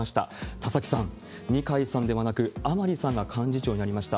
田崎さん、二階さんではなく甘利さんが幹事長になりました。